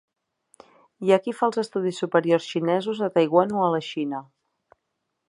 Hi ha qui fa els estudis superiors xinesos a Taiwan o a la Xina.